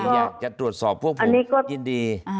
อยากจะตรวจสอบพวกผมยินดี